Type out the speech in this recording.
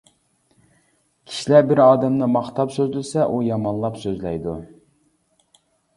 كىشىلەر بىر ئادەمنى ماختاپ سۆزلىسە، ئۇ يامانلاپ سۆزلەيدۇ.